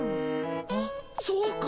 あっそうか。